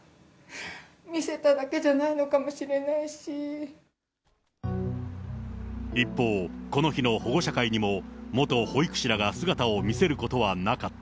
見せただけじゃないのかもしれな一方、この日の保護者会にも、元保育士らが姿を見せることはなかった。